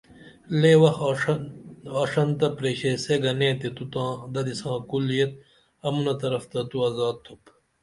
لے وخ آڜنتہ پریشیس یے گنے تے تو تاں ددی ساں کُل یت امونہ طرف تہ تو ازاد تھوپ